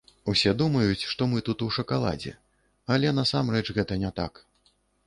Усе думаюць, што мы тут у шакаладзе, але насамрэч гэта не так.